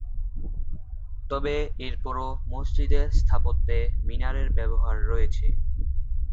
তবে এরপরও মসজিদের স্থাপত্যে মিনারের ব্যবহার রয়েছে।